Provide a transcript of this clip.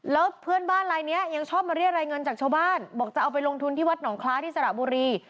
แล้วเพื่อนบ้านลายนี้ยังชอบมาเรียกรายเงินจากชาวบ้านบอกจะเอาไปลงทุนที่วัดหนองคล้าที่สระบุรี